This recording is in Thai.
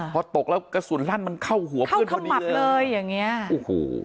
พอตกแล้วกระสุนลั่นมันเข้าหัวเพื่อนเขาหมัดเลยอย่างเงี้ยโอ้โห